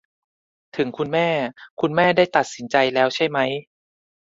ถึงคุณแม่ คุณแม่ได้ตัดสินใจแล้วใช่ไหม ?